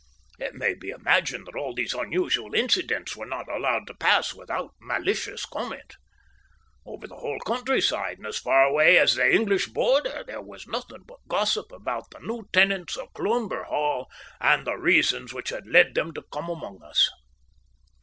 It may be imagined that all these unusual incidents were not allowed to pass without malicious comment. Over the whole countryside and as far away as the English border there was nothing but gossip about the new tenants of Cloomber Hall and the reasons which had led them to come among us.